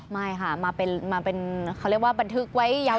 ไม่ค่ะมาเป็นเขาเรียกว่าบันทึกไว้ยาว